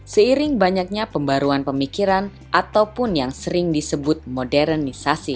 seiring banyaknya pembaruan pemikiran ataupun yang sering disebut modernisasi